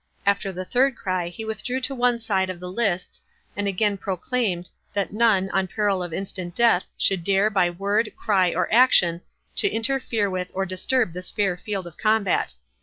After the third cry, he withdrew to one side of the lists, and again proclaimed, that none, on peril of instant death, should dare, by word, cry, or action, to interfere with or disturb this fair field of combat.